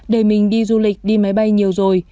đời mình đi du lịch đi máy bay nhiều rồi